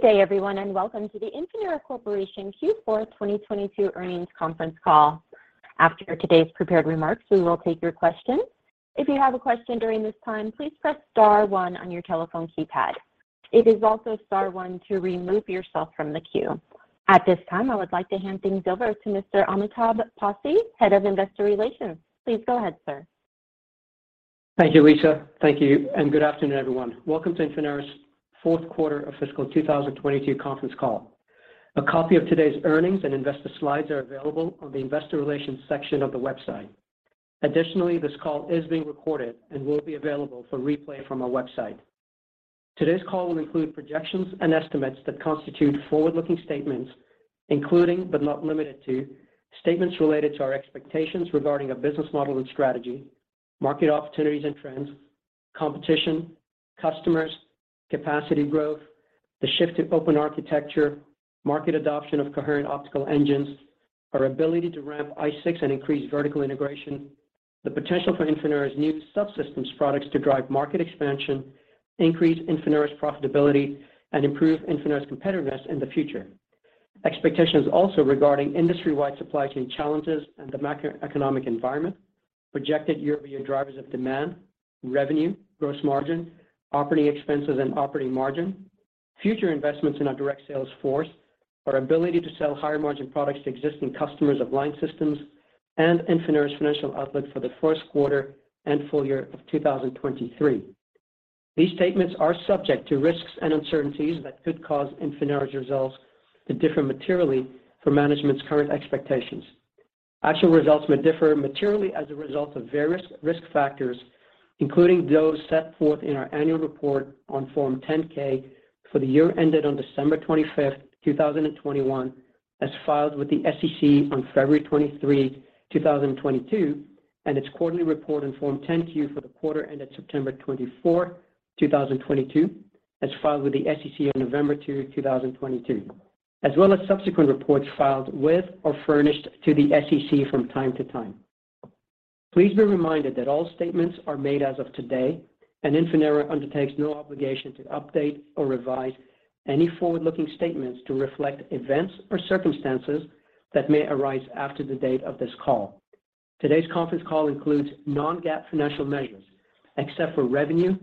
Good day everyone, welcome to the Infinera Corporation Q4 2022 earnings conference call. After today's prepared remarks, we will take your questions. If you have a question during this time, please press star one on your telephone keypad. It is also star one to remove yourself from the queue. At this time, I would like to hand things over to Mr. Amitabh Passi, Head of Investor Relations. Please go ahead, sir. Thank you, Lisa. Thank you. Good afternoon, everyone. Welcome to Infinera's fourth quarter of fiscal 2022 conference call. A copy of today's earnings and investor slides are available on the investor relations section of the website. This call is being recorded and will be available for replay from our website. Today's call will include projections and estimates that constitute forward-looking statements, including, but not limited to, statements related to our expectations regarding a business model and strategy, market opportunities and trends, competition, customers, capacity growth, the shift to open architecture, market adoption of coherent optical engines, our ability to ramp ICE6 and increase vertical integration, the potential for Infinera's new subsystems products to drive market expansion, increase Infinera's profitability and improve Infinera's competitiveness in the future. Expectations also regarding industry-wide supply chain challenges and the macroeconomic environment, projected year-over-year drivers of demand, revenue, gross margin, operating expenses and operating margin, future investments in our direct sales force, our ability to sell higher margin products to existing customers of line systems and Infinera's financial outlook for the first quarter and full year of 2023. These statements are subject to risks and uncertainties that could cause Infinera's results to differ materially from management's current expectations. Actual results may differ materially as a result of various risk factors, including those set forth in our annual report on Form 10-K for the year ended on December 25, 2021, as filed with the SEC on February 23, 2022, and its quarterly report on Form 10-Q for the quarter ended September 24, 2022, as filed with the SEC on November 2, 2022, as well as subsequent reports filed with or furnished to the SEC from time to time. Please be reminded that all statements are made as of today, and Infinera undertakes no obligation to update or revise any forward-looking statements to reflect events or circumstances that may arise after the date of this call. Today's conference call includes non-GAAP financial measures, except for revenue,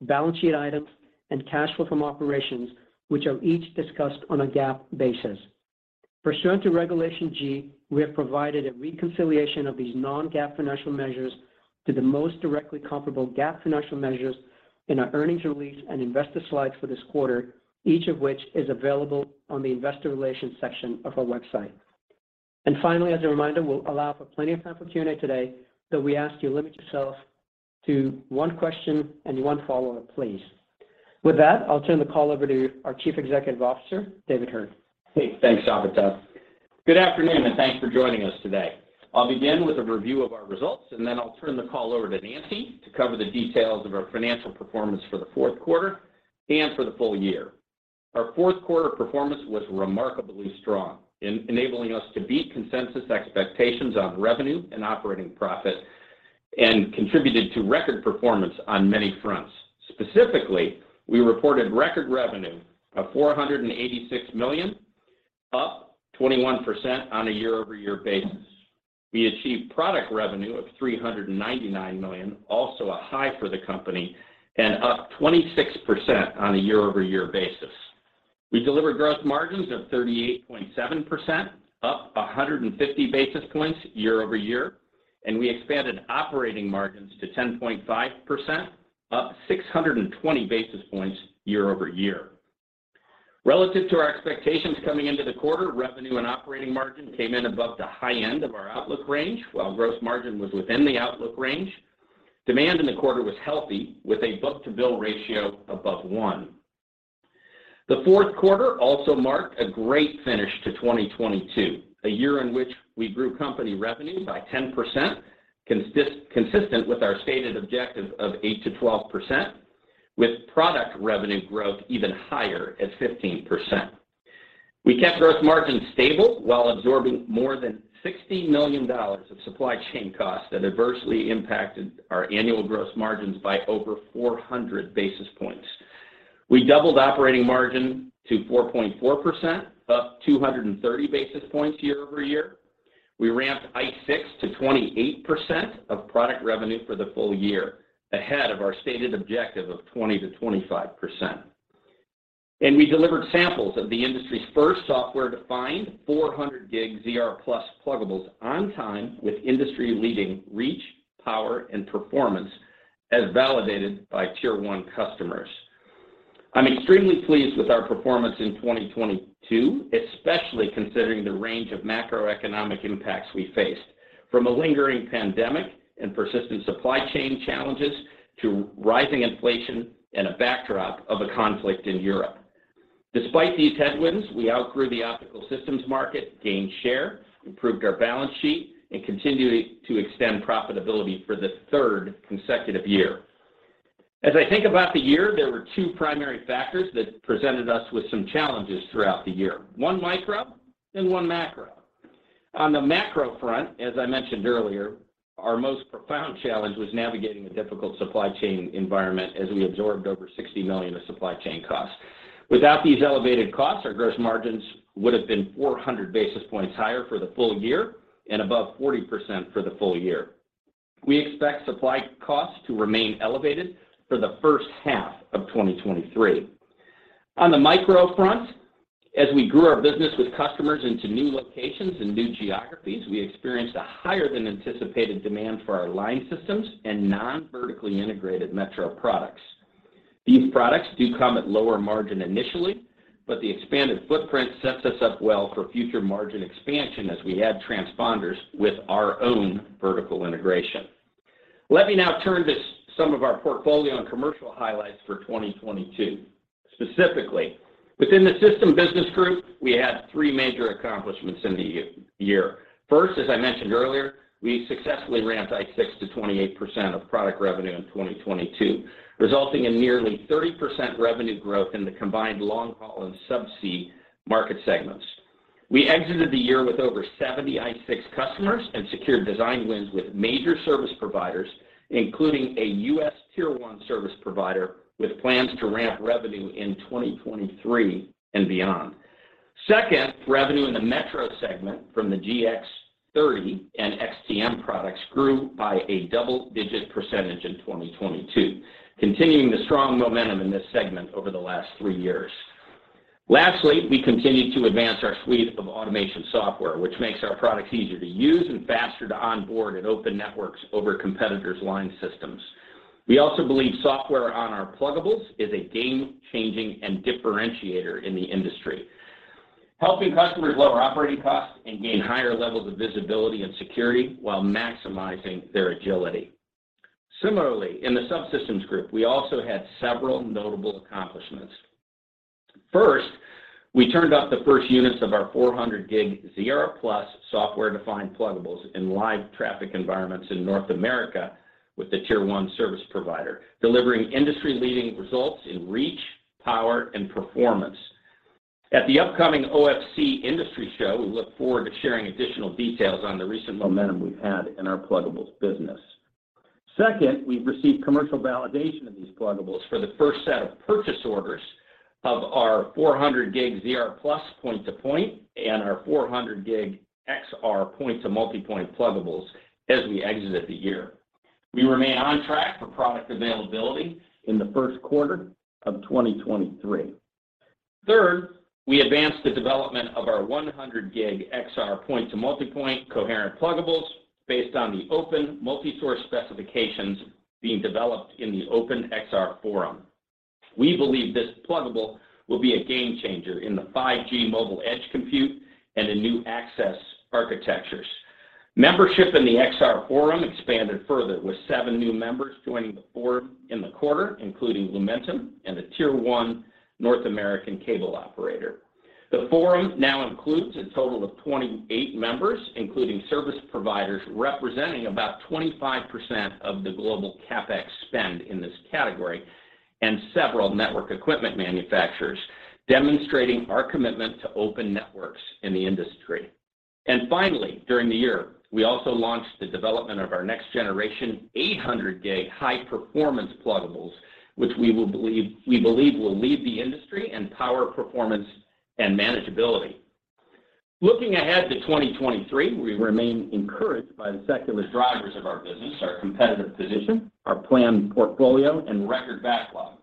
balance sheet items, and cash flow from operations, which are each discussed on a GAAP basis. Pursuant to Regulation G, we have provided a reconciliation of these non-GAAP financial measures to the most directly comparable GAAP financial measures in our earnings release and investor slides for this quarter, each of which is available on the investor relations section of our website. Finally, as a reminder, we'll allow for plenty of time for Q&A today, so we ask you limit yourself to one question and one follow-up, please. I'll turn the call over to our Chief Executive Officer, David Heard. Hey, thanks, Amitabh. Good afternoon, thanks for joining us today. I'll begin with a review of our results, then I'll turn the call over to Nancy to cover the details of our financial performance for the fourth quarter and for the full year. Our fourth quarter performance was remarkably strong in enabling us to beat consensus expectations on revenue and operating profit contributed to record performance on many fronts. Specifically, we reported record revenue of $486 million, up 21% on a year-over-year basis. We achieved product revenue of $399 million, also a high for the company and up 26% on a year-over-year basis. We delivered gross margins of 38.7%, up 150 basis points year-over-year, we expanded operating margins to 10.5%, up 620 basis points year-over-year. Relative to our expectations coming into the quarter, revenue and operating margin came in above the high end of our outlook range, while gross margin was within the outlook range. Demand in the quarter was healthy, with a book to bill ratio above 1. The fourth quarter also marked a great finish to 2022, a year in which we grew company revenue by 10%, consistent with our stated objective of 8%-12%, with product revenue growth even higher at 15%. We kept gross margins stable while absorbing more than $60 million of supply chain costs that adversely impacted our annual gross margins by over 400 basis points. We doubled operating margin to 4.4%, up 230 basis points year-over-year. We ramped ICE6 to 28% of product revenue for the full year, ahead of our stated objective of 20%-25%. We delivered samples of the industry's first software-defined 400G ZR+ pluggables on time with industry-leading reach, power, and performance as validated by Tier 1 customers. I'm extremely pleased with our performance in 2022, especially considering the range of macroeconomic impacts we faced, from a lingering pandemic and persistent supply chain challenges to rising inflation and a backdrop of a conflict in Europe. Despite these headwinds, we outgrew the optical systems market, gained share, improved our balance sheet, and continued to extend profitability for the third consecutive year. As I think about the year, there were two primary factors that presented us with some challenges throughout the year, one micro and one macro. On the macro front, as I mentioned earlier, our most profound challenge was navigating the difficult supply chain environment as we absorbed over $60 million of supply chain costs. Without these elevated costs, our gross margins would have been 400 basis points higher for the full year and above 40% for the full year. We expect supply costs to remain elevated for the first half of 2023. On the micro front, as we grew our business with customers into new locations and new geographies, we experienced a higher than anticipated demand for our line systems and non-vertically integrated metro products. These products do come at lower margin initially. The expanded footprint sets us up well for future margin expansion as we add transponders with our own vertical integration. Let me now turn to some of our portfolio and commercial highlights for 2022. Specifically, within the system business group, we had 3 major accomplishments in the year. First, as I mentioned earlier, we successfully ramped ICE6 to 28% of product revenue in 2022, resulting in nearly 30% revenue growth in the combined long-haul and subsea market segments. We exited the year with over 70 ICE6 customers and secured design wins with major service providers, including a U.S. Tier 1 service provider with plans to ramp revenue in 2023 and beyond. Revenue in the metro segment from the GX30 and XTM products grew by a double-digit percentage in 2022, continuing the strong momentum in this segment over the last three years. We continued to advance our suite of automation software, which makes our products easier to use and faster to onboard at open networks over competitors' line systems. We also believe software on our pluggables is a game-changing and differentiator in the industry, helping customers lower operating costs and gain higher levels of visibility and security while maximizing their agility. In the subsystems group, we also had several notable accomplishments. We turned up the first units of our 400G ZR+ software-defined pluggables in live traffic environments in North America with the Tier 1 service provider, delivering industry-leading results in reach, power, and performance. At the upcoming OFC Industry Show, we look forward to sharing additional details on the recent momentum we've had in our pluggables business. Second, we've received commercial validation of these pluggables for the first set of purchase orders of our 400G ZR+ point-to-point and our 400G XR point-to-multipoint pluggables as we exit the year. We remain on track for product availability in the first quarter of 2023. Third, we advanced the development of our 100G XR point-to-multipoint coherent pluggables based on the open multisource specifications being developed in the Open XR Forum. We believe this pluggable will be a game changer in the 5G mobile edge compute and the new access architectures. Membership in the XR forum expanded further with seven new members joining the forum in the quarter, including Lumentum and a Tier 1 North American cable operator. The forum now includes a total of 28 members, including service providers representing about 25% of the global CapEx spend in this category and several network equipment manufacturers, demonstrating our commitment to open networks in the industry. Finally, during the year, we also launched the development of our next generation 800G high-performance pluggables, which we believe will lead the industry in power, performance, and manageability. Looking ahead to 2023, we remain encouraged by the secular drivers of our business, our competitive position, our planned portfolio, and record backlog.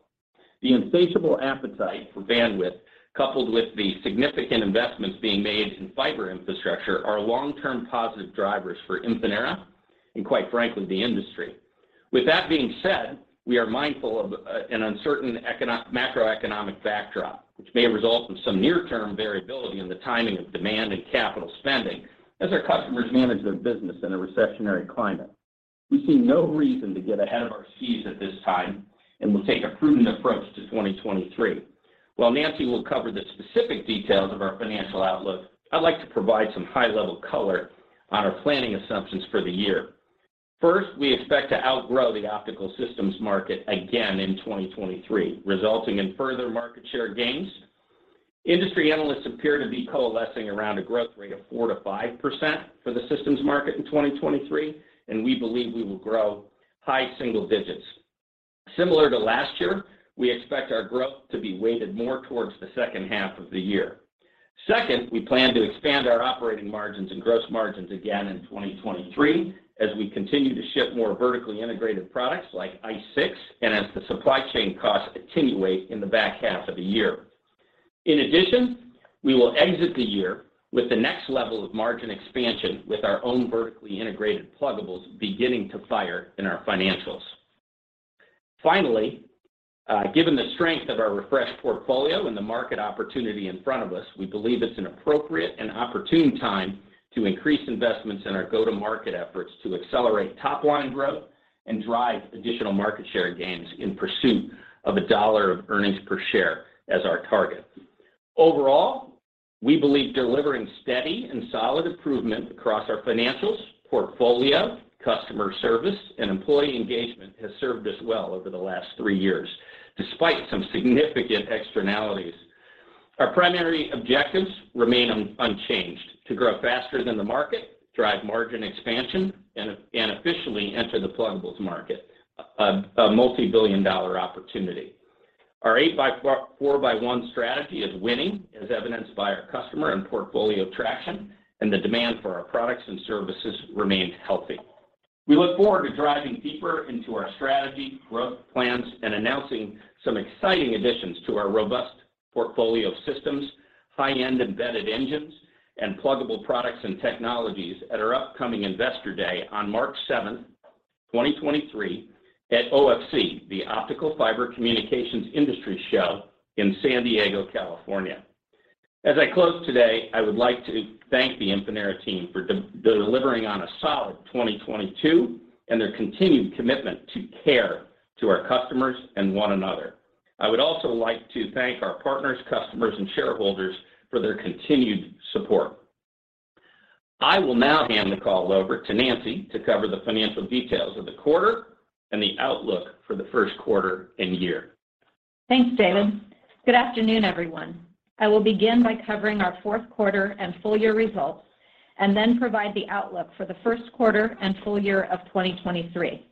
The insatiable appetite for bandwidth coupled with the significant investments being made in fiber infrastructure are long-term positive drivers for Infinera and quite frankly, the industry. With that being said, we are mindful of an uncertain macroeconomic backdrop, which may result in some near-term variability in the timing of demand and capital spending as our customers manage their business in a recessionary climate. We see no reason to get ahead of our skis at this time, and we'll take a prudent approach to 2023. While Nancy will cover the specific details of our financial outlook, I'd like to provide some high-level color on our planning assumptions for the year. First, we expect to outgrow the optical systems market again in 2023, resulting in further market share gains. Industry analysts appear to be coalescing around a growth rate of 4%-5% for the systems market in 2023, and we believe we will grow high single digits. Similar to last year, we expect our growth to be weighted more towards the second half of the year. Second, we plan to expand our operating margins and gross margins again in 2023 as we continue to ship more vertically integrated products like ICE6 and as the supply chain costs attenuate in the back half of the year. In addition, we will exit the year with the next level of margin expansion with our own vertically integrated pluggables beginning to fire in our financials. Finally, given the strength of our refreshed portfolio and the market opportunity in front of us, we believe it's an appropriate and opportune time to increase investments in our go-to-market efforts to accelerate top-line growth and drive additional market share gains in pursuit of $1 of earnings per share as our target. Overall, we believe delivering steady and solid improvement across our financials, portfolio, customer service, and employee engagement has served us well over the last three years, despite some significant externalities. Our primary objectives remain unchanged: to grow faster than the market, drive margin expansion, and officially enter the pluggables market, a multibillion-dollar opportunity. Our 8 X 4 X 1 strategy is winning, as evidenced by our customer and portfolio traction, the demand for our products and services remains healthy. We look forward to diving deeper into our strategy, growth plans, and announcing some exciting additions to our robust portfolio of systems, high-end embedded engines, and pluggable products and technologies at our upcoming Investor Day on March 7, 2023 at OFC, the Optical Fiber Communication industry show in San Diego, California. As I close today, I would like to thank the Infinera team for delivering on a solid 2022, and their continued commitment to care to our customers and one another. I would also like to thank our partners, customers, and shareholders for their continued support. I will now hand the call over to Nancy to cover the financial details of the quarter and the outlook for the first quarter and year. Thanks, David. Good afternoon, everyone. I will begin by covering our fourth quarter and full year results, and then provide the outlook for the first quarter and full year of 2023.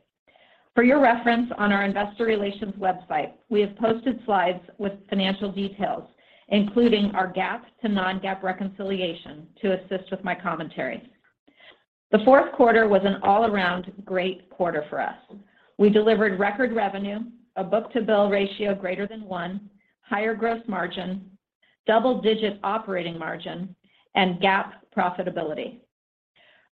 For your reference, on our investor relations website, we have posted slides with financial details, including our GAAP to non-GAAP reconciliation to assist with my commentary. The fourth quarter was an all-around great quarter for us. We delivered record revenue, a book-to-bill ratio greater than one, higher gross margin, double-digit operating margin, and GAAP profitability.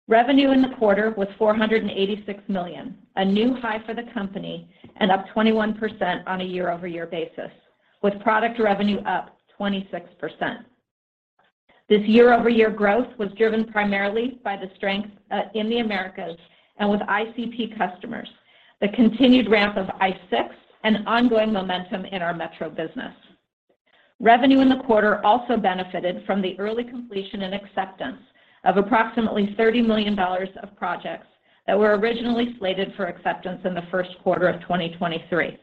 Revenue in the quarter was $486 million, a new high for the company and up 21% on a year-over-year basis, with product revenue up 26%. This year-over-year growth was driven primarily by the strength in the Americas and with ICP customers, the continued ramp of ICE6, and ongoing momentum in our metro business. Revenue in the quarter also benefited from the early completion and acceptance of approximately $30 million of projects that were originally slated for acceptance in the first quarter of 2023.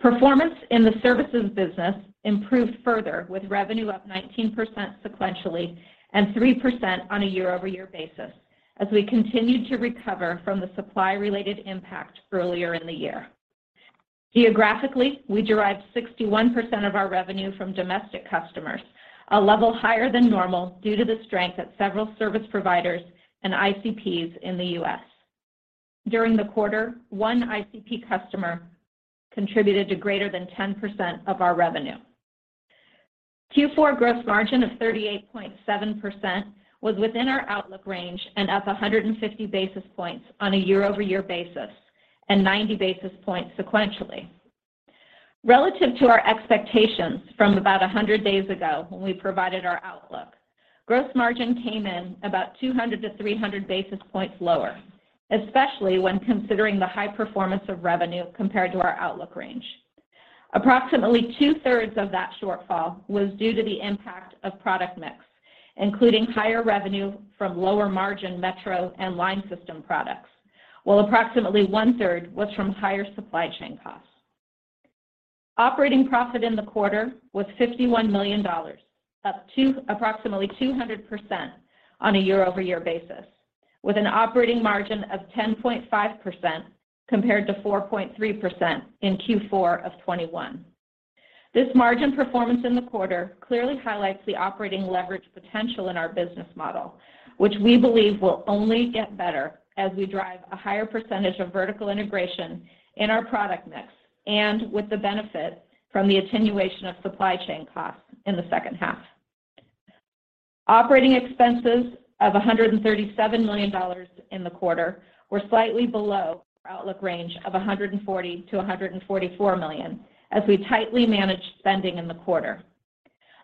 Performance in the services business improved further with revenue up 19% sequentially and 3% on a year-over-year basis as we continued to recover from the supply-related impact earlier in the year. Geographically, we derived 61% of our revenue from domestic customers, a level higher than normal due to the strength of several service providers and ICPs in the U.S. During the quarter, one ICP customer contributed to greater than 10% of our revenue. Q4 gross margin of 38.7% was within our outlook range and up 150 basis points on a year-over-year basis and 90 basis points sequentially. Relative to our expectations from about 100 days ago when we provided our outlook, gross margin came in about 200-300 basis points lower, especially when considering the high performance of revenue compared to our outlook range. Approximately 2/3 of that shortfall was due to the impact of product mix, including higher revenue from lower margin metro and line system products, while approximately 1/3 was from higher supply chain costs. Operating profit in the quarter was $51 million, up approximately 200% on a year-over-year basis, with an operating margin of 10.5% compared to 4.3% in Q4 of 2021. This margin performance in the quarter clearly highlights the operating leverage potential in our business model, which we believe will only get better as we drive a higher percentage of vertical integration in our product mix and with the benefit from the attenuation of supply chain costs in the second half. Operating expenses of $137 million in the quarter were slightly below our outlook range of $140 million-$144 million as we tightly managed spending in the quarter.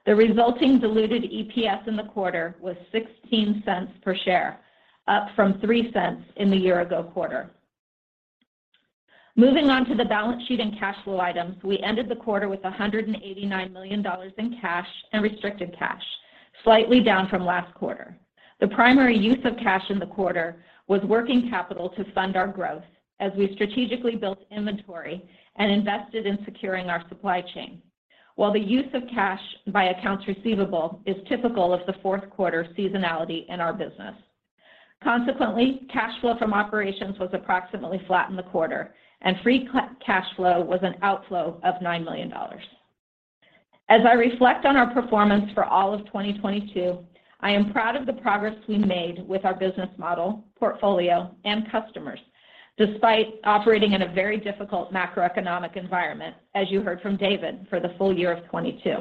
The resulting diluted EPS in the quarter was $0.16 per share, up from $0.03 in the year-ago quarter. Moving on to the balance sheet and cash flow items, we ended the quarter with $189 million in cash and restricted cash, slightly down from last quarter. The primary use of cash in the quarter was working capital to fund our growth as we strategically built inventory and invested in securing our supply chain, while the use of cash by accounts receivable is typical of the fourth quarter seasonality in our business. Cash flow from operations was approximately flat in the quarter, and free cash flow was an outflow of $9 million. As I reflect on our performance for all of 2022, I am proud of the progress we made with our business model, portfolio, and customers despite operating in a very difficult macroeconomic environment, as you heard from David, for the full year of 2022.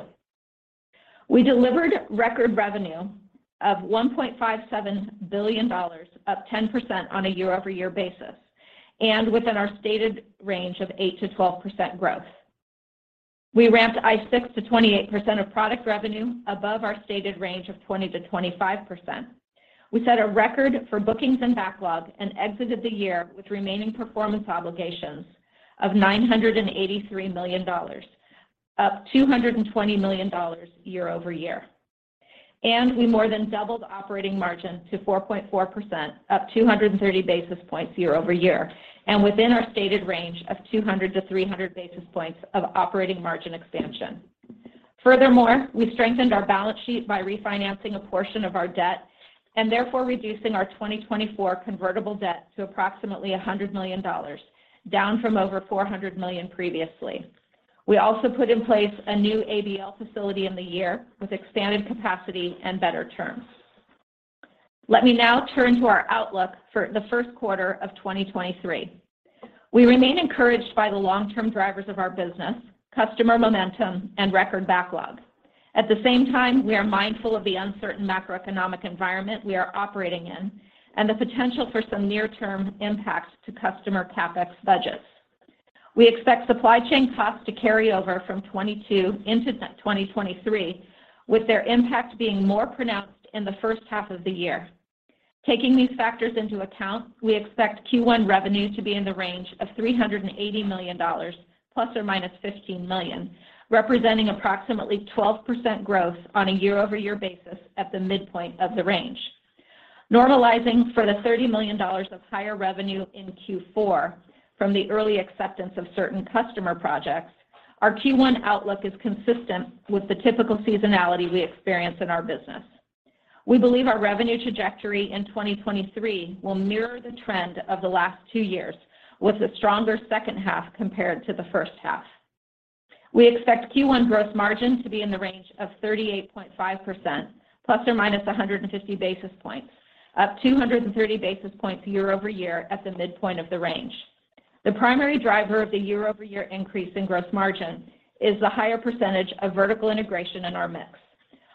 We delivered record revenue of $1.57 billion, up 10% on a year-over-year basis and within our stated range of 8%-12% growth. We ramped ICE6 to 28% of product revenue above our stated range of 20%-25%. We set a record for bookings and backlog and exited the year with remaining performance obligations of $983 million, up $220 million year-over-year. We more than doubled operating margin to 4.4%, up 230 basis points year-over-year and within our stated range of 200-300 basis points of operating margin expansion. Furthermore, we strengthened our balance sheet by refinancing a portion of our debt and therefore reducing our 2024 convertible debt to approximately $100 million, down from over $400 million previously. We also put in place a new ABL facility in the year with expanded capacity and better terms. Let me now turn to our outlook for the first quarter of 2023. We remain encouraged by the long-term drivers of our business, customer momentum and record backlog. At the same time, we are mindful of the uncertain macroeconomic environment we are operating in and the potential for some near-term impacts to customer CapEx budgets. We expect supply chain costs to carry over from 2022 into 2023, with their impact being more pronounced in the first half of the year. Taking these factors into account, we expect Q1 revenue to be in the range of $380 million ±$15 million, representing approximately 12% growth on a year-over-year basis at the midpoint of the range. Normalizing for the $30 million of higher revenue in Q4 from the early acceptance of certain customer projects, our Q1 outlook is consistent with the typical seasonality we experience in our business. We believe our revenue trajectory in 2023 will mirror the trend of the last two years, with a stronger second half compared to the first half. We expect Q1 gross margin to be in the range of 38.5%, ± 150 basis points, up 230 basis points year-over-year at the midpoint of the range. The primary driver of the year-over-year increase in gross margin is the higher percentage of vertical integration in our mix.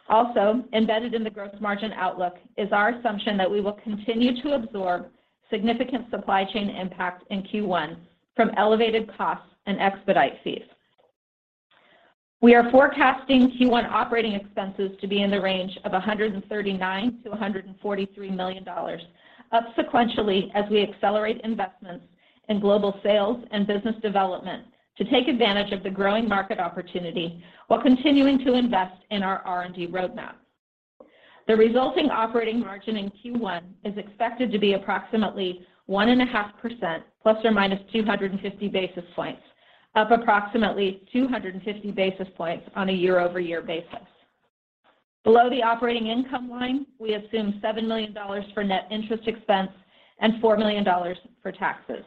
Also embedded in the gross margin outlook is our assumption that we will continue to absorb significant supply chain impact in Q1 from elevated costs and expedite fees. We are forecasting Q1 operating expenses to be in the range of $139 million-$143 million, up sequentially as we accelerate investments in global sales and business development to take advantage of the growing market opportunity while continuing to invest in our R&D roadmap. The resulting operating margin in Q1 is expected to be approximately 1.5%, ±250 basis points, up approximately 250 basis points on a year-over-year basis. Below the operating income line, we assume $7 million for net interest expense and $4 million for taxes.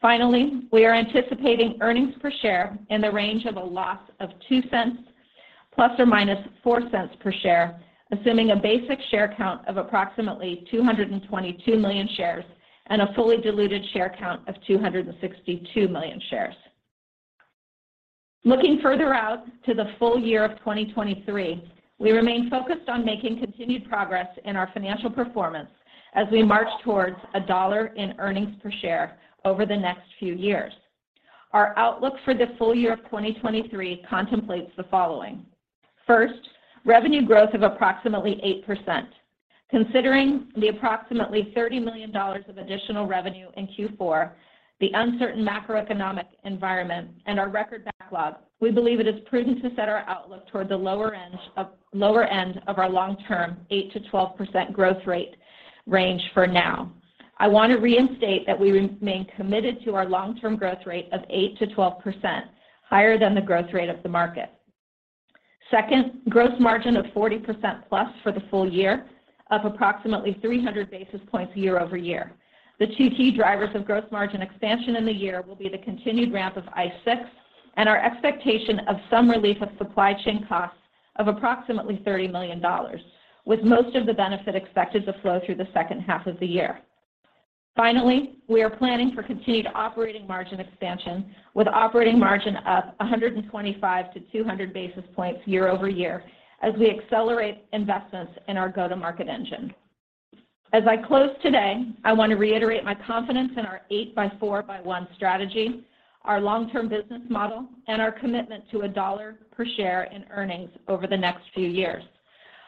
Finally, we are anticipating earnings per share in the range of a loss of $0.02, ±$0.04 per share, assuming a basic share count of approximately 222 million shares and a fully diluted share count of 262 million shares. Looking further out to the full year of 2023, we remain focused on making continued progress in our financial performance as we march towards $1 in earnings per share over the next few years. Our outlook for the full year of 2023 contemplates the following. First, revenue growth of approximately 8%. Considering the approximately $30 million of additional revenue in Q4, the uncertain macroeconomic environment, and our record backlog, we believe it is prudent to set our outlook toward the lower end of our long-term 8%-12% growth rate range for now. I want to reinstate that we remain committed to our long-term growth rate of 8%-12%, higher than the growth rate of the market. Second, gross margin of 40%+ for the full year, up approximately 300 basis points year-over-year. The two key drivers of gross margin expansion in the year will be the continued ramp of ICE6 and our expectation of some relief of supply chain costs of approximately $30 million, with most of the benefit expected to flow through the second half of the year. Finally, we are planning for continued operating margin expansion, with operating margin up 125 to 200 basis points year-over-year as we accelerate investments in our go-to-market engine. As I close today, I want to reiterate my confidence in our 8 X 4 X 1 strategy, our long-term business model, and our commitment to a $1 per share in earnings over the next few years.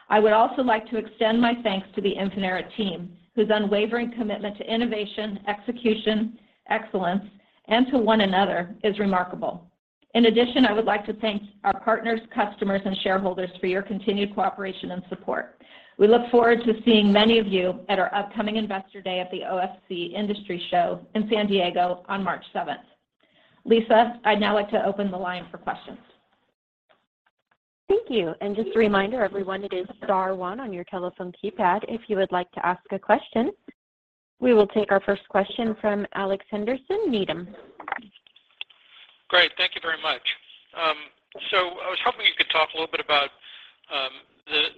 I would also like to extend my thanks to the Infinera team, whose unwavering commitment to innovation, execution, excellence, and to one another is remarkable. I would like to thank our partners, customers, and shareholders for your continued cooperation and support. We look forward to seeing many of you at our upcoming Investor Day at the OFC Industry Show in San Diego on March seventh. Lisa, I'd now like to open the line for questions. Thank you. Just a reminder, everyone, it is star one on your telephone keypad if you would like to ask a question. We will take our first question from Alex Henderson, Needham. Great. Thank you very much. I was hoping you could talk a little bit about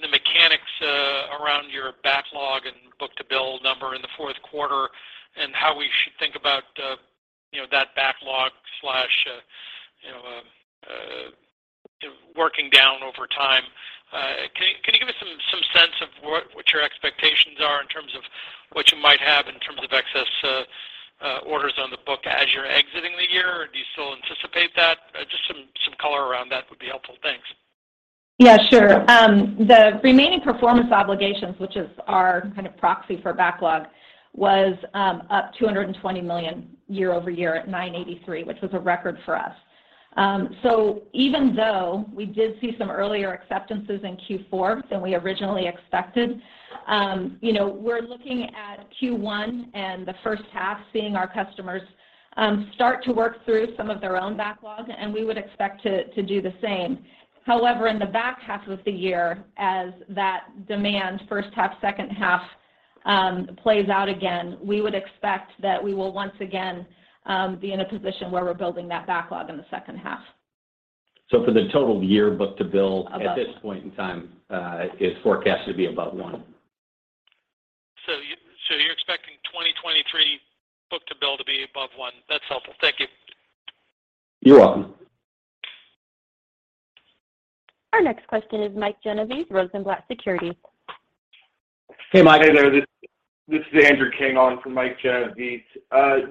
the mechanics around your backlog and book-to-bill number in the fourth quarter and how we should think about that backlog slash working down over time. Can you give us some sense of what your expectations are in terms of what you might have in terms of excess orders on the book as you're exiting the year? Do you still anticipate that? Just some color around that would be helpful. Thanks. Yeah, sure. The remaining performance obligations, which is our kind of proxy for backlog, was up $220 million year-over-year at $983 million, which was a record for us. Even though we did see some earlier acceptances in Q4 than we originally expected, we're looking at Q1 and the first half seeing our customers start to work through some of their own backlog, and we would expect to do the same. However, in the back half of the year, as that demand first half, second half, plays out again, we would expect that we will once again be in a position where we're building that backlog in the second half. for the total year book-to-bill- Above one at this point in time, is forecasted to be above one. You're expecting 2023 book-to-bill to be above 1. That's helpful. Thank you. You're welcome. Our next question is Mike Genovese, Rosenblatt Securities. Hey, Mike. Hey there. This is Andrew King on for Mike Genovese.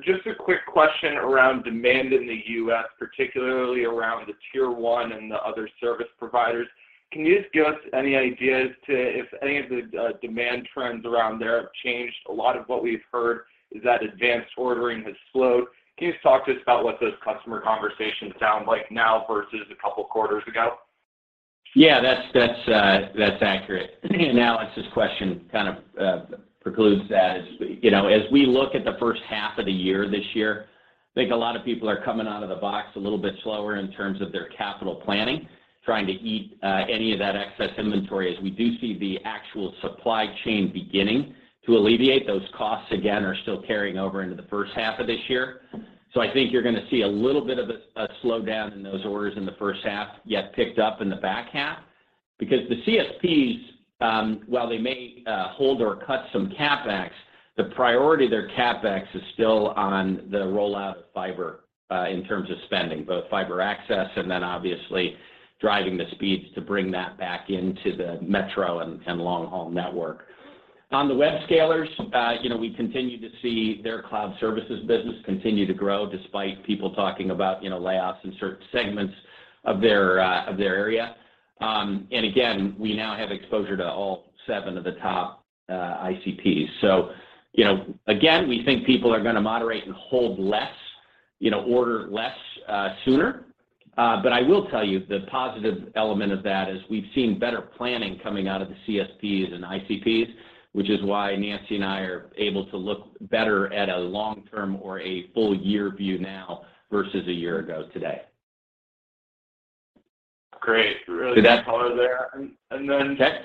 Just a quick question around demand in the U.S., particularly around the Tier 1 and the other service providers. Can you just give us any idea as to if any of the demand trends around there have changed? A lot of what we've heard is that advanced ordering has slowed. Can you just talk to us about what those customer conversations sound like now versus a couple quarters ago? Yeah. That's, that's accurate. Alex's question kind of precludes that. As, you know, as we look at the first half of the year this year, I think a lot of people are coming out of the box a little bit slower in terms of their capital planning, trying to eat any of that excess inventory as we do see the actual supply chain beginning to alleviate. Those costs again are still carrying over into the first half of this year. I think you're gonna see a little bit of a slowdown in those orders in the first half, yet picked up in the back half. The CSPs, while they may hold or cut some CapEx, the priority of their CapEx is still on the rollout of fiber, in terms of spending, both fiber access and then obviously driving the speeds to bring that back into the metro and long-haul network. On the web scalers, we continue to see their cloud services business continue to grow despite people talking about layoffs in certain segments of their, of their area. And again, we now have exposure to all seven of the top ICPs. You know, again, we think people are gonna moderate and hold less, order less, sooner. I will tell you the positive element of that is we've seen better planning coming out of the CSPs and ICPs, which is why Nancy and I are able to look better at a long-term or a full year view now versus a year ago today. Great. Really good color there. Did that- And, and then. Yes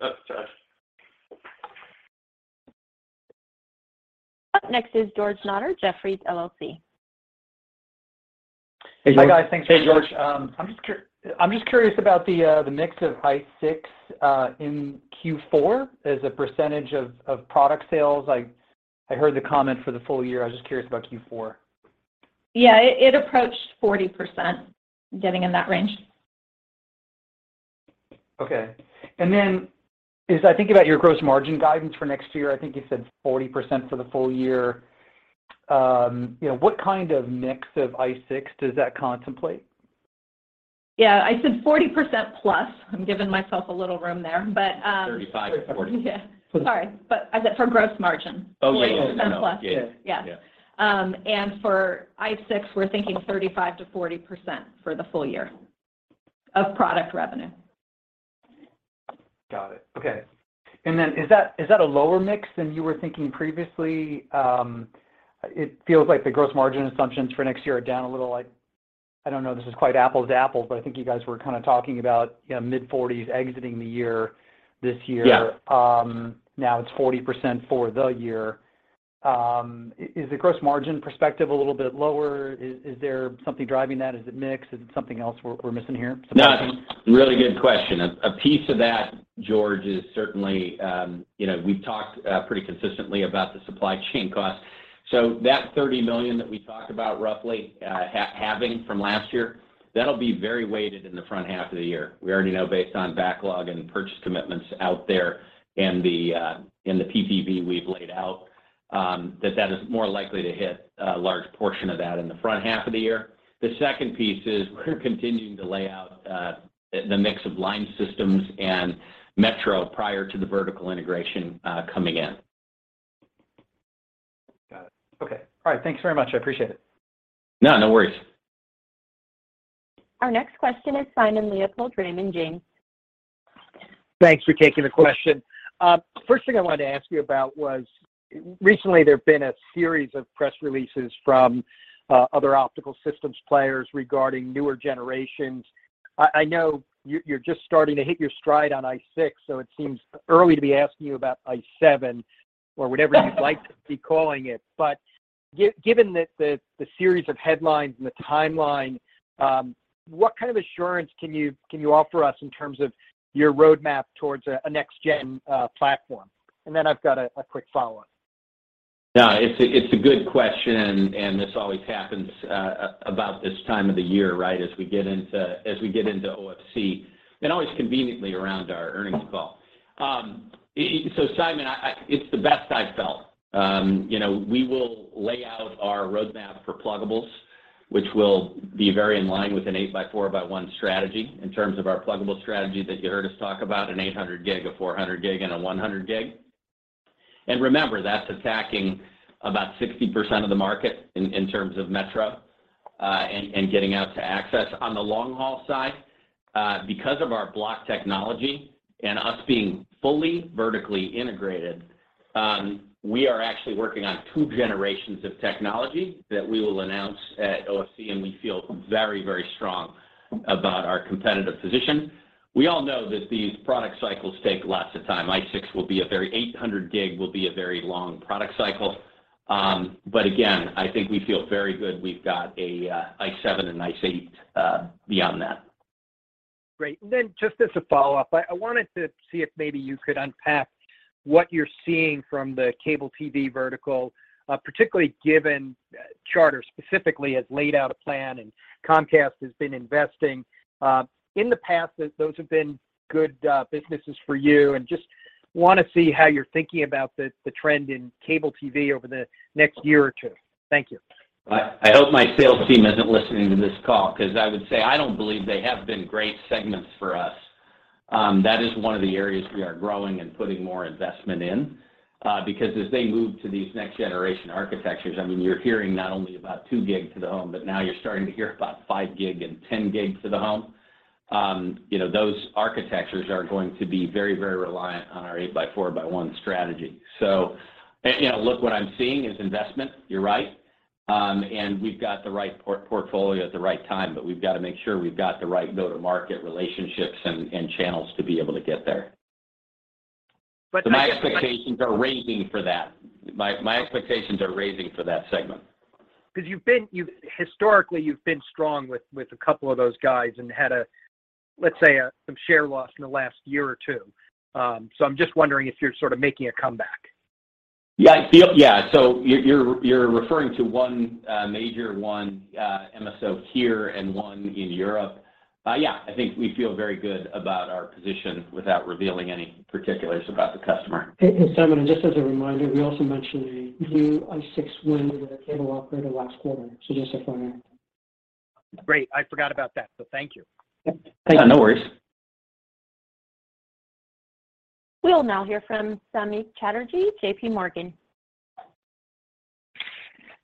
That's it. Up next is George Notter, Jefferies LLC. Hey, George. Hi, guys. Thanks, George. I'm just curious about the mix of ICE6 in Q4 as a percentage of product sales. I heard the comment for the full year. I was just curious about Q4. Yeah. It approached 40%, getting in that range. Okay. As I think about your gross margin guidance for next year, I think you said 40% for the full year. You know, what kind of mix of ICE6 does that contemplate? Yeah. I said 40%+. I'm giving myself a little room there. 35 to 40 Yeah. Sorry. as it for gross margin. Oh, wait. Yeah. 40%+. Yeah. Yeah. For ICE6, we're thinking 35%-40% for the full year of product revenue. Got it. Okay. Is that, is that a lower mix than you were thinking previously? It feels like the gross margin assumptions for next year are down a little. Like, I don't know this is quite apples to apples, but I think you guys were kinda talking about, mid-40s exiting the year this year. Yeah. Now it's 40% for the year. Is the gross margin perspective a little bit lower? Is there something driving that? Is it mix? Is it something else we're missing here? No. Really good question. A, a piece of that, George, is certainly, we've talked pretty consistently about the supply chain costs. That $30 million that we talked about roughly halving from last year, that'll be very weighted in the front half of the year. We already know based on backlog and purchase commitments out there and the and the PPV we've laid out, that that is more likely to hit a large portion of that in the front half of the year. The second piece is we're continuing to lay out the mix of line systems and metro prior to the vertical integration coming in. Got it. Okay. All right. Thanks very much. I appreciate it. No, no worries. Our next question is Simon Leopold, Raymond James. Thanks for taking the question. First thing I wanted to ask you about was recently there have been a series of press releases from other optical systems players regarding newer generations. I know you're just starting to hit your stride on ICE6, so it seems early to be asking you about ICE7 or whatever you'd like to be calling it. Given the series of headlines and the timeline, what kind of assurance can you offer us in terms of your roadmap towards a next-gen platform? I've got a quick follow-up. It's a, it's a good question, and this always happens, about this time of the year, right, as we get into OFC, and always conveniently around our earnings call. Simon, it's the best I've felt. We will lay out our roadmap for pluggables, which will be very in line with an 8 X 4 X 1 strategy in terms of our pluggable strategy that you heard us talk about, an 800 gig, a 400 gig, and a 100 gig. Remember, that's attacking about 60% of the market in terms of metro, and getting out to access. On the long-haul side, because of our block technology and us being fully vertically integrated, we are actually working on two generations of technology that we will announce at OFC, and we feel very, very strong about our competitive position. We all know that these product cycles take lots of time. ICE6 will be 800 gig will be a very long product cycle. Again, I think we feel very good we've got a ICE7 and ICE8 beyond that. Great. Just as a follow-up, I wanted to see if maybe you could unpack what you're seeing from the cable TV vertical, particularly given, Charter specifically has laid out a plan, and Comcast has been investing. In the past, those have been good, businesses for you, and just wanna see how you're thinking about the trend in cable TV over the next year or two. Thank you. I hope my sales team isn't listening to this call, 'cause I would say I don't believe they have been great segments for us. That is one of the areas we are growing and putting more investment in, because as they move to these next-generation architectures, I mean, you're hearing not only about 2 gig to the home, but now you're starting to hear about 5 gig and 10 gig to the home. You know, those architectures are going to be very, very reliant on our 8 X 4 X 1 strategy. Look, what I'm seeing is investment, you're right. We've got the right portfolio at the right time, but we've got to make sure we've got the right go-to-market relationships and channels to be able to get there. But my- My expectations are raising for that. My expectations are raising for that segment. 'Cause you've, historically, been strong with a couple of those guys and had a, let's say, a, some share loss in the last year or two. I'm just wondering if you're making a comeback. You're referring to one major one MSO here and one in Europe. I think we feel very good about our position without revealing any particulars about the customer. Hey, hey, Simon, just as a reminder, we also mentioned a new ICE6 win with a cable operator last quarter. Just a follow-up. Great. I forgot about that, so thank you. Yeah, no worries. We'll now hear from Samik Chatterjee, JPMorgan.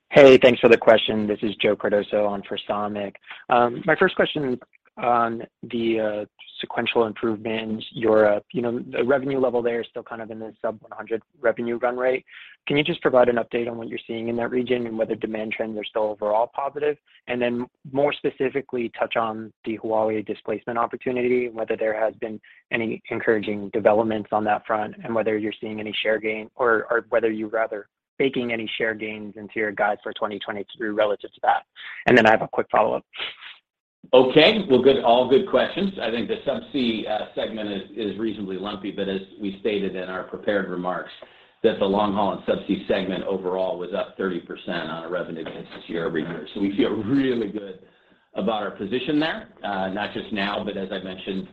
Hey, thanks for the question. This is Joe Cardoso on for Samik. My first question on the sequential improvement in Europe. The revenue level there is still kind of in the sub $100 revenue run rate. Can you just provide an update on what you're seeing in that region and whether demand trends are still overall positive? More specifically, touch on the Huawei displacement opportunity, whether there has been any encouraging developments on that front and whether you're seeing any share gain or whether you're rather baking any share gains into your guides for 2023 relative to that. I have a quick follow-up. Okay. Well, good, all good questions. I think the subsea segment is reasonably lumpy. As we stated in our prepared remarks, that the long-haul and subsea segment overall was up 30% on a revenue basis year-over-year. We feel really good about our position there, not just now, but as I mentioned,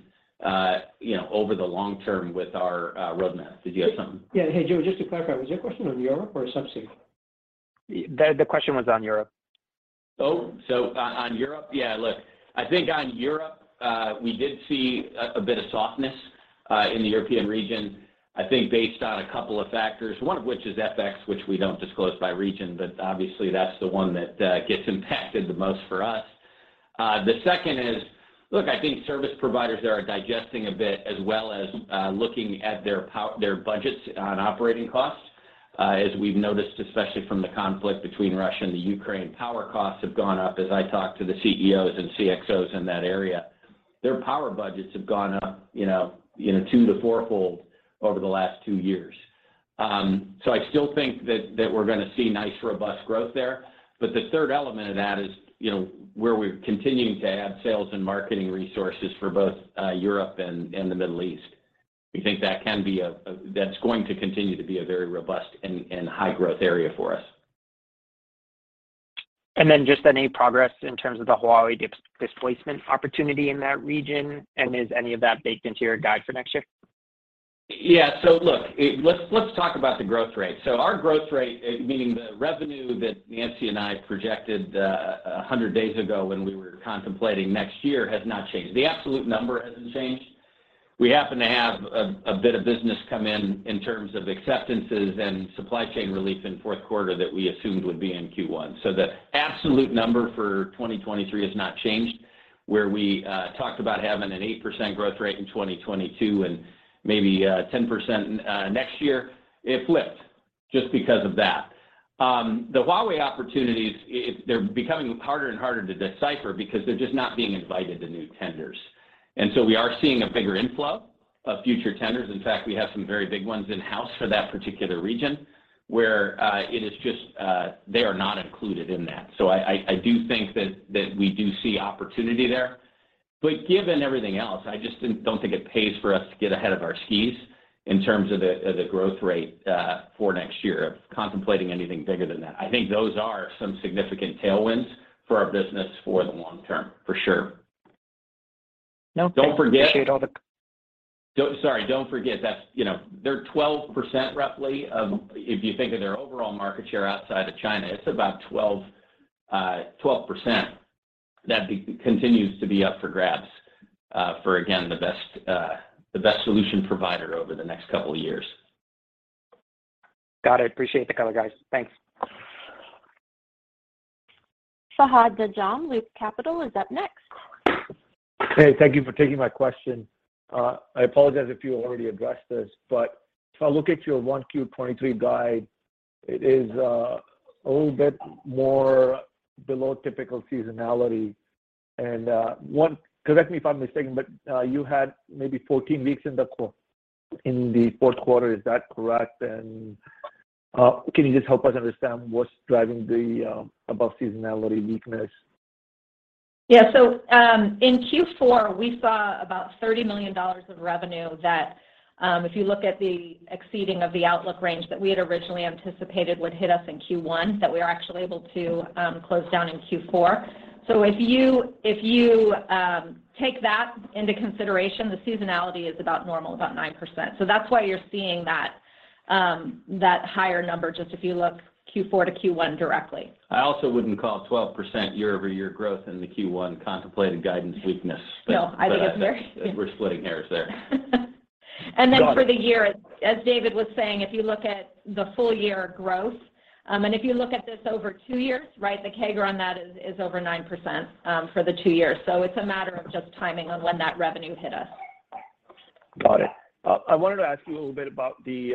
over the long term with our roadmap. Did you have something? Yeah. Hey, Joe, just to clarify, was your question on Europe or subsea? The question was on Europe. On Europe. Look, I think on Europe, we did see a bit of softness in the European region. I think based on a couple of factors, one of which is FX, which we don't disclose by region, but obviously, that's the one that gets impacted the most for us. The second is, look, I think service providers there are digesting a bit as well as looking at their budgets on operating costs. As we've noticed, especially from the conflict between Russia and Ukraine, power costs have gone up. As I talk to the CEOs and CXOs in that area, their power budgets have gone up two to fourfold over the last two years. I still think that we're gonna see nice, robust growth there. The third element of that is where we're continuing to add sales and marketing resources for both Europe and the Middle East. We think that can be a that's going to continue to be a very robust and high growth area for us. Just any progress in terms of the Huawei displacement opportunity in that region, and is any of that baked into your guide for next year? Let's talk about the growth rate. Our growth rate, meaning the revenue that Nancy and I projected 100 days ago when we were contemplating next year, has not changed. The absolute number hasn't changed. We happen to have a bit of business come in in terms of acceptances and supply chain relief in fourth quarter that we assumed would be in Q1. The absolute number for 2023 has not changed, where we talked about having an 8% growth rate in 2022 and maybe 10% next year. It flipped just because of that. The Huawei opportunities, they're becoming harder and harder to decipher because they're just not being invited to new tenders. We are seeing a bigger inflow of future tenders. In fact, we have some very big ones in-house for that particular region where it is just they are not included in that. I do think that we do see opportunity there. Given everything else, I just don't think it pays for us to get ahead of our skis in terms of the growth rate for next year of contemplating anything bigger than that. I think those are some significant tailwinds for our business for the long term, for sure. Don't forget. I appreciate all. Sorry, don't forget that they're 12% roughly of, if you think of their overall market share outside of China, it's about 12%. That continues to be up for grabs for again the best solution provider over the next couple of years. Got it. Appreciate the color, guys. Thanks. Fahad Najam, Loop Capital is up next. Hey, thank you for taking my question. I apologize if you already addressed this, but if I look at your 1Q23 guide, it is a little bit more below typical seasonality. Correct me if I'm mistaken, but you had maybe 14 weeks in the fourth quarter. Is that correct? Can you just help us understand what's driving the above seasonality weakness? In Q4, we saw about $30 million of revenue that, if you look at the exceeding of the outlook range that we had originally anticipated would hit us in Q1, that we were actually able to close down in Q4. If you take that into consideration, the seasonality is about normal, about 9%. That's why you're seeing that higher number, just if you look Q4 to Q1 directly. I also wouldn't call 12% year-over-year growth in the Q1 contemplated guidance weakness. No, I think. We're splitting hairs there. For the year, as David was saying, if you look at the full year growth, and if you look at this over two years, right, the CAGR on that is over 9%, for the two years. It's a matter of just timing on when that revenue hit us. Got it. I wanted to ask you a little bit about the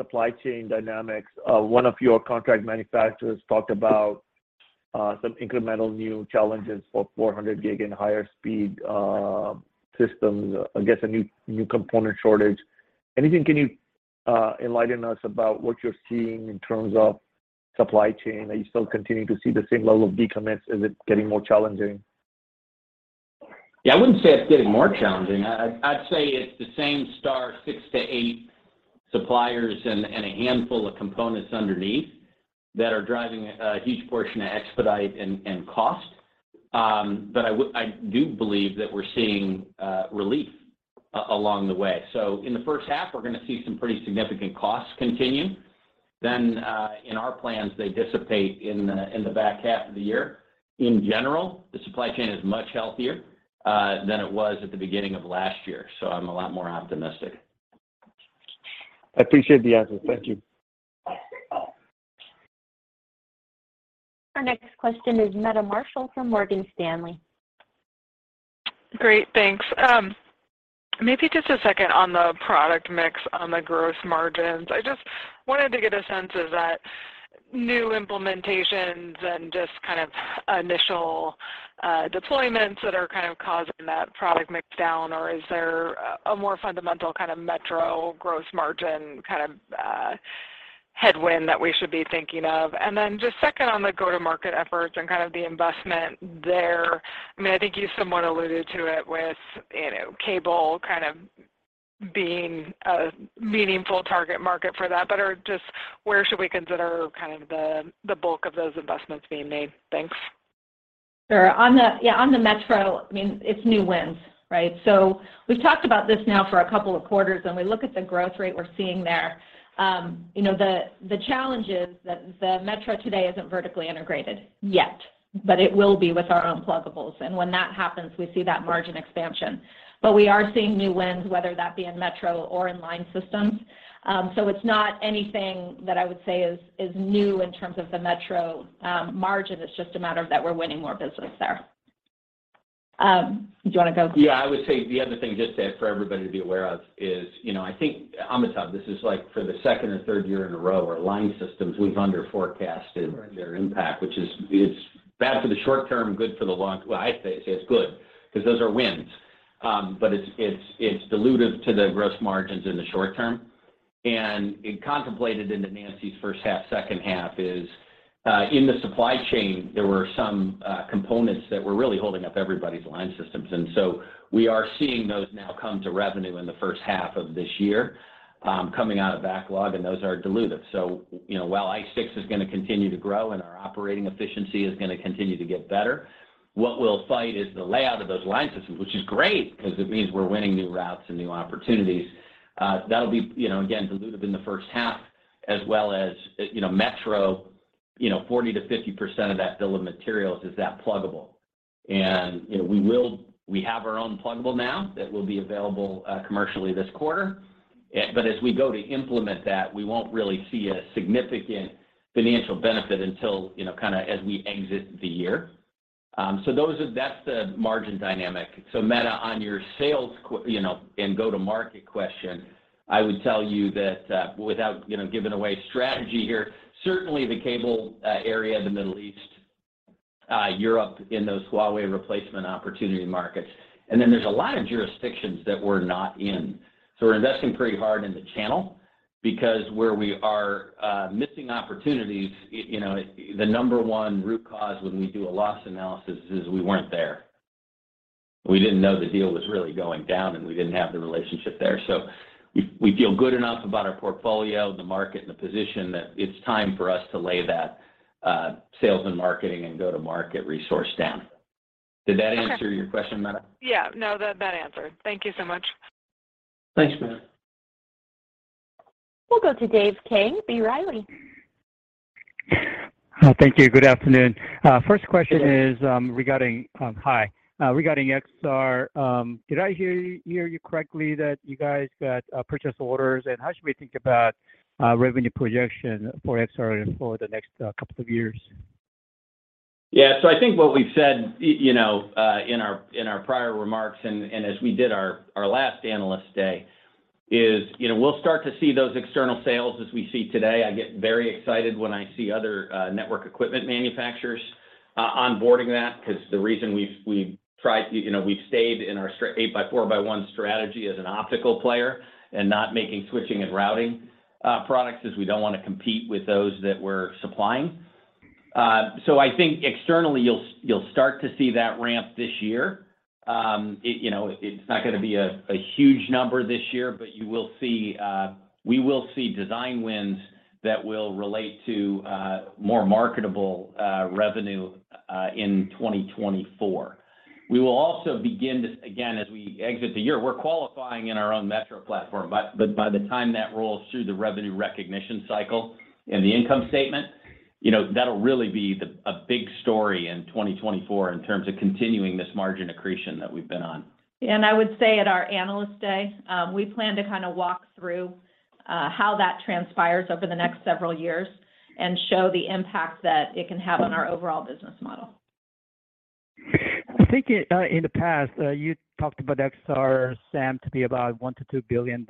supply chain dynamics. One of your contract manufacturers talked about some incremental new challenges for 400G and higher speed systems, I guess, a new component shortage. Anything can you enlighten us about what you're seeing in terms of supply chain? Are you still continuing to see the same level of decommits? Is it getting more challenging? I'd say it's the same 6 to 8 suppliers and a handful of components underneath that are driving a huge portion of expedite and cost. I do believe that we're seeing relief along the way. In the first half, we're gonna see some pretty significant costs continue. In our plans, they dissipate in the back half of the year. In general, the supply chain is much healthier than it was at the beginning of last year. I'm a lot more optimistic. I appreciate the answer. Thank you. Our next question is Meta Marshall from Morgan Stanley. Great. Thanks. Maybe just a second on the product mix on the gross margins. I just wanted to get a sense of that new implementations and just kind of initial deployments that are kind of causing that product mix down, or is there a more fundamental kind of metro gross margin kind of headwind that we should be thinking of? Then just second on the go-to-market efforts and kind of the investment there. I mean, I think you somewhat alluded to it with cable kind of being a meaningful target market for that. But, or just where should we consider kind of the bulk of those investments being made? Thanks. Sure. On the, yeah, on the metro, I mean, it's new wins, right? We've talked about this now for a couple of quarters, and we look at the growth rate we're seeing there. The challenge is that the metro today isn't vertically integrated yet, but it will be with our own pluggables. When that happens, we see that margin expansion. We are seeing new wins, whether that be in metro or in line systems. It's not anything that I would say is new in terms of the metro, margin. It's just a matter of that we're winning more business there. Do you want to go? Yeah. I would say the other thing just for everybody to be aware of is, I think, Amitabh, this is like for the second or third year in a row, our line systems, we've under-forecasted their impact, which is, it's bad for the short term, good for the long. Well, I say it's good because those are wins. It's dilutive to the gross margins in the short term. It contemplated into Nancy's first half, second half is, in the supply chain, there were some components that were really holding up everybody's line systems. We are seeing those now come to revenue in the first half of this year, coming out of backlog, and those are dilutive. While ICE6 is going to continue to grow and our operating efficiency is going to continue to get better, what we'll fight is the layout of those line systems, which is great because it means we're winning new routes and new opportunities. that'll be again dilutive in the first half, as well as metro, you know, 40%-50% of that bill of materials is that pluggable. We have our own pluggable now that will be available, commercially this quarter. as we go to implement that, we won't really see a significant financial benefit until, kind of as we exit the year. that's the margin dynamic. Meta, on your sales and go-to-market question, I would tell you that, without giving away strategy here, certainly the cable, area, the Middle East, Europe in those Huawei replacement opportunity markets. Then there's a lot of jurisdictions that we're not in. We're investing pretty hard in the channel because where we are, missing opportunities the number one root cause when we do a loss analysis is we weren't there. We didn't know the deal was really going down, and we didn't have the relationship there. We feel good enough about our portfolio, the market, and the position that it's time for us to lay that sales and marketing and go-to-market resource down. Did that answer your question, Meta? Yeah. No, that answered. Thank you so much. Thanks, Meta. We'll go to Dave Kang, B. Riley. Thank you. Good afternoon. First question is regarding XR, did I hear you correctly that you guys got purchase orders? How should we think about revenue projection for XR for the next couple of years? I think what we've said in our, in our prior remarks as we did our last Analyst Day is, we'll start to see those external sales as we see today. I get very excited when I see other network equipment manufacturers onboarding that 'cause the reason we've tried, we've stayed in our 8 X 4 X 1 strategy as an optical player and not making switching and routing products is we don't wanna compete with those that we're supplying. I think externally you'll start to see that ramp this year. It's not gonna be a huge number this year, but you will see, we will see design wins that will relate to more marketable revenue in 2024. We will also begin to, again, as we exit the year, we're qualifying in our own metro platform but by the time that rolls through the revenue recognition cycle and the income statement, that'll really be a big story in 2024 in terms of continuing this margin accretion that we've been on. I would say at our Analyst Day, we plan to kind of walk through how that transpires over the next several years and show the impact that it can have on our overall business model. I think it, in the past, you talked about XR SAM to be about $1 billion-$2 billion.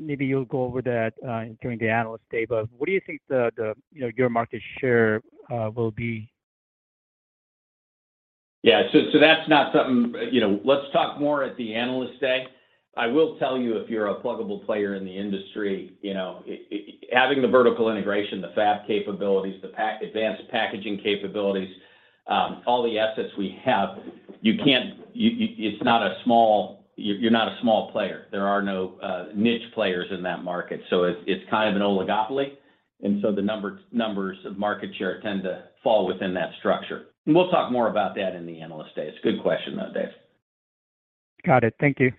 Maybe you'll go over that, during the Analyst Day. What do you think the, you know, your market share, will be? That's not something, let's talk more at the Analyst Day. I will tell you, if you're a pluggable player in the industry, having the vertical integration, the fab capabilities, the advanced packaging capabilities, all the assets we have, you're not a small player. There are no niche players in that market, so it's kind of an oligopoly, and so the numbers of market share tend to fall within that structure. We'll talk more about that in the Analyst Day. It's a good question though, Dave. Got it. Thank you.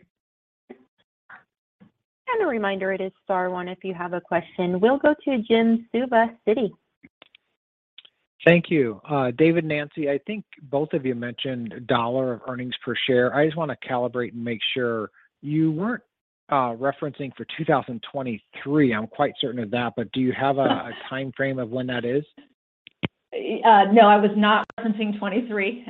A reminder, it is star one if you have a question. We'll go to Jim Suva, Citi. Thank you. David, Nancy, I think both of you mentioned dollar of earnings per share. I just wanna calibrate and make sure you weren't referencing for 2023, I'm quite certain of that, but do you have a timeframe of when that is? No, I was not referencing 2023.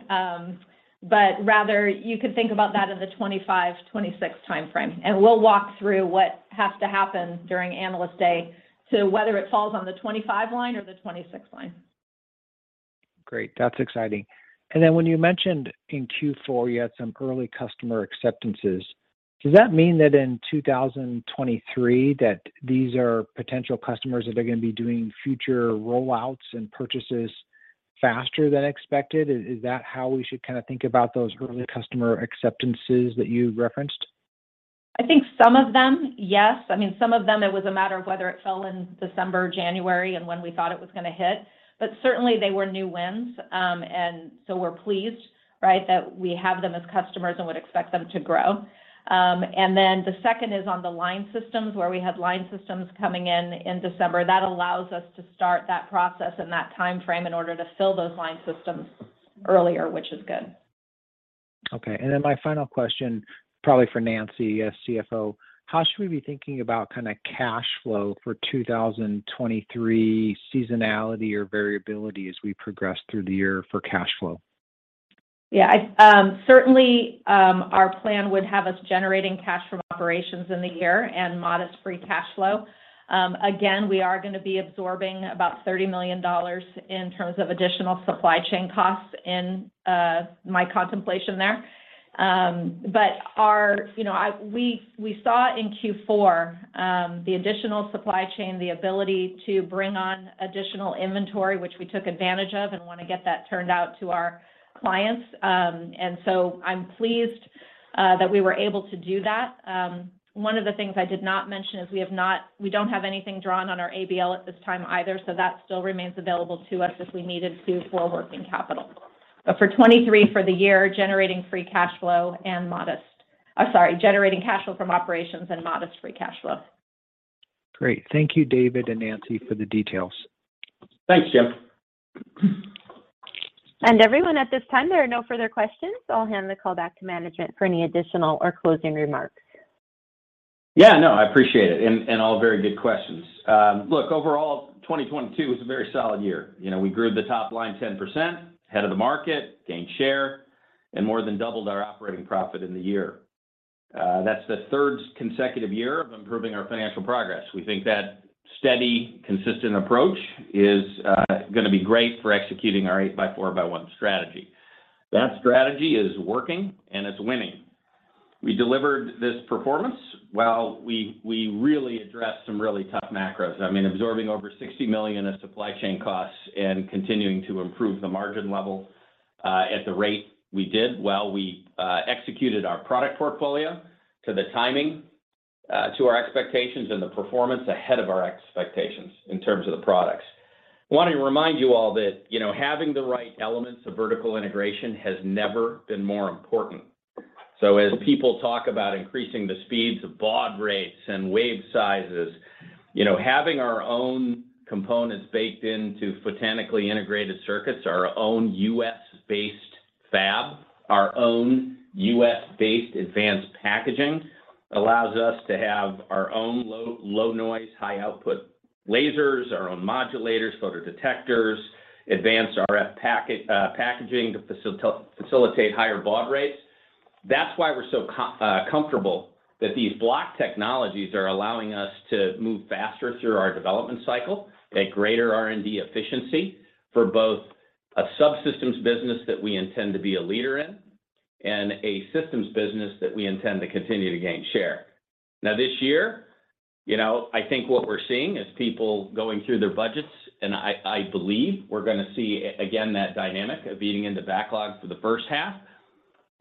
Rather you could think about that in the 2025, 2026 timeframe, and we'll walk through what has to happen during Analyst Day to whether it falls on the 25 line or the 26 line. Great. That's exciting. When you mentioned in Q4 you had some early customer acceptances, does that mean that in 2023, that these are potential customers that are going to be doing future rollouts and purchases faster than expected? Is that how we should kinda think about those early customer acceptances that you referenced? I think some of them, yes. I mean, some of them it was a matter of whether it fell in December or January and when we thought it was gonna hit. Certainly they were new wins. We're pleased, right, that we have them as customers and would expect them to grow. The second is on the line systems, where we had line systems coming in in December. That allows us to start that process and that timeframe in order to fill those line systems earlier, which is good. Okay. Then my final question, probably for Nancy as CFO, how should we be thinking about kinda cash flow for 2023 seasonality or variability as we progress through the year for cash flow? Yeah. I certainly, our plan would have us generating cash from operations in the year and modest free cash flow. Again, we are gonna be absorbing about $30 million in terms of additional supply chain costs in my contemplation there. Our, you know, I, we saw in Q4, the additional supply chain, the ability to bring on additional inventory, which we took advantage of and wanna get that turned out to our clients. I'm pleased that we were able to do that. One of the things I did not mention is we don't have anything drawn on our ABL at this time either, that still remains available to us if we need it to for working capital. For 2023, for the year, generating free cash flow, generating cash flow from operations and modest free cash flow. Great. Thank you, David and Nancy, for the details. Thanks, Jim. Everyone, at this time there are no further questions. I'll hand the call back to management for any additional or closing remarks. No, I appreciate it, and all very good questions. Look, overall, 2022 was a very solid year. We grew the top line 10%, ahead of the market, gained share, and more than doubled our operating profit in the year. That's the third consecutive year of improving our financial progress. We think that steady, consistent approach is gonna be great for executing our 8 X 4 X 1 strategy. That strategy is working and it's winning. We delivered this performance while we really addressed some really tough macros. I mean, absorbing over $60 million of supply chain costs and continuing to improve the margin level at the rate we did while we executed our product portfolio to the timing, to our expectations and the performance ahead of our expectations in terms of the products. Want to remind you all that having the right elements of vertical integration has never been more important. As people talk about increasing the speeds of baud rates and wave sizes having our own components baked into photonic integrated circuits, our own U.S.-based fab, our own U.S.-based advanced packaging allows us to have our own low, low noise, high output lasers, our own modulators, photodetectors, advanced RF packaging to facilitate higher baud rates. That's why we're so comfortable that these block technologies are allowing us to move faster through our development cycle at greater R&D efficiency for both a subsystems business that we intend to be a leader in and a systems business that we intend to continue to gain share. This year, I think what we're seeing is people going through their budgets, I believe we're gonna see again that dynamic of beating in the backlogs for the first half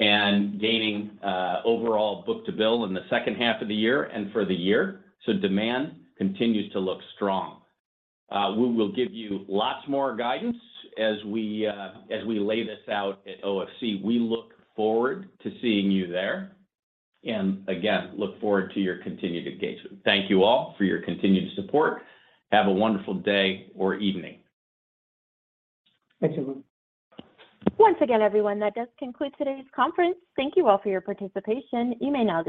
and gaining overall book to bill in the second half of the year and for the year. Demand continues to look strong. We will give you lots more guidance as we lay this out at OFC. We look forward to seeing you there. Again, look forward to your continued engagement. Thank you all for your continued support. Have a wonderful day or evening. Thanks, everyone. Once again, everyone, that does conclude today's conference. Thank you all for your participation. You may now.